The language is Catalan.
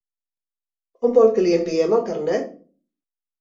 On vol que li enviem el carnet?